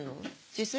自炊？